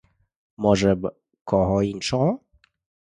Може б, кого іншого?